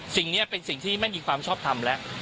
สิ่งนี้เป็นสิ่งที่ไม่มีความชอบทำแล้ว